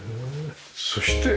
そして。